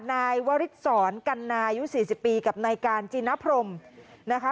นายวริสรกันนายุ๔๐ปีกับนายการจินพรมนะคะ